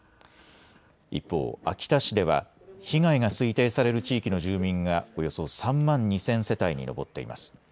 一方、秋田市では被害が推定される地域の住民がおよそ３万２０００世帯に上っています。